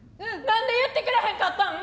なんで言ってくれへんかったん？